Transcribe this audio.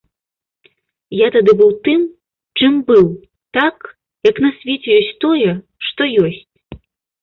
Я тады быў тым, чым быў, так, як на свеце ёсць тое, што ёсць.